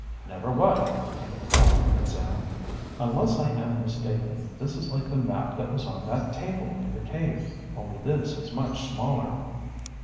"Never what?" came from Tom and Sam. "Unless I am mistaken, this is like the map that was on that table in the cave, only this is much smaller."